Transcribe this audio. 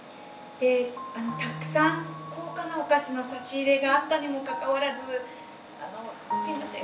たくさん高価なお菓子の差し入れがあったにもかかわらず「すいません！